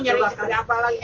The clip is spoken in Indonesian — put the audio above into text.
ya nggak ada puasnya